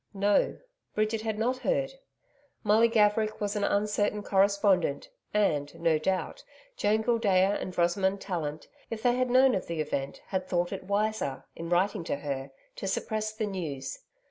No, Bridget had not heard. Molly Gaverick was an uncertain correspondent, and, no doubt, Joan Gildea and Rosamond Tallant, if they had known of the event, had thought it wiser, in writing to her, to suppress the news.